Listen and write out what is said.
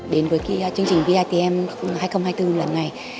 đến với chương trình vitm hai nghìn hai mươi bốn lần này